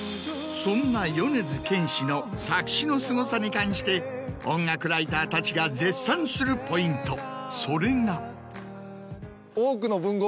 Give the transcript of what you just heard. そんな米津玄師の作詞のすごさに関して音楽ライターたちが絶賛するポイント。